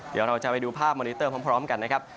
เดี๋ยวเราจะไปดูภาพมอนิเตอร์พร้อมกันนะครับ